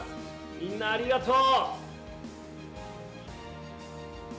みんなありがとう。